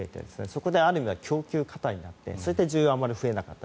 そこで、ある意味供給過多になってそして需要があまり増えなかった。